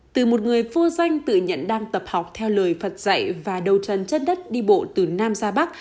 từ một người vô danh tự nhận đang tập học theo lời phật dạy và đầu chân chất đất đi bộ từ nam ra bắc